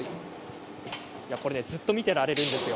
これずっと見ていられるんですよ。